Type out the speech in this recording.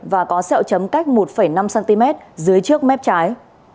và có sẹo chấm cách một năm cm dưới trước mép trái